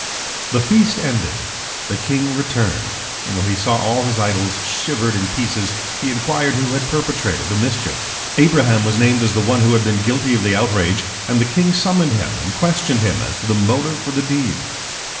The feast ended, the king returned, and when he saw all his idols shivered in pieces, he inquired who had perpetrated the mischief. Abraham was named as the one who had been guilty of the outrage, and the king summoned him and questioned him as to his motive for the deed.